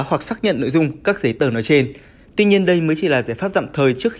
hoặc xác nhận nội dung các giấy tờ nói trên tuy nhiên đây mới chỉ là giải pháp tạm thời trước khi